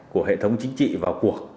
của hệ thống chính trị vào cuộc